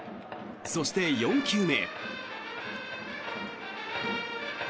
そして、４球目。